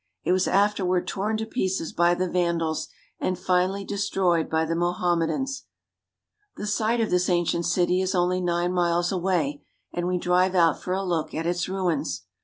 It was afterward torn to pieces by the Vandals, and finally destroyed by the Mohammedans. The site of this ancient city is only nine miles away, and we drive out for a look at its ruins.